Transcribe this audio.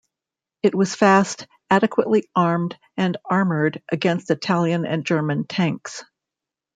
It was fast, adequately armed and armoured against Italian and German tanks.